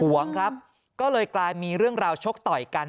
วงครับก็เลยกลายมีเรื่องราวชกต่อยกัน